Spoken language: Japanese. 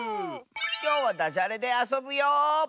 きょうはダジャレであそぶよ！